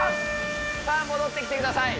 さあ戻ってきてください。